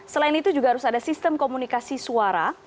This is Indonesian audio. selain itu juga harus ada sistem komunikasi suara